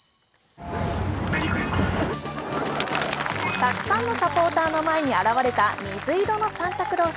たくさんのサポーターの前に現れた水色のサンタクロース。